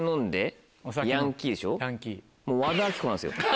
もう和田アキ子なんですよ。